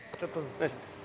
お願いします。